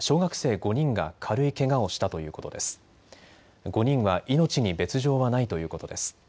５人は命に別状はないということです。